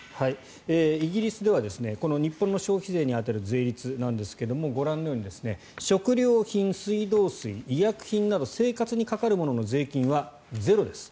イギリスでは日本の消費税に当たる税率なんですがご覧のように食料品、水道水、医薬品など生活にかかるものの税金はゼロです。